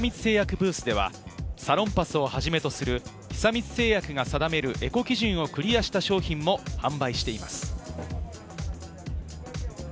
ブースでは、サロンパスをはじめとする久光製薬が定めるエコ基準をクリアした商品も販売しています。